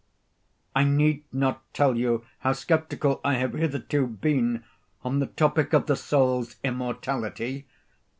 I need not tell you how sceptical I have hitherto been on the topic of the soul's immortality.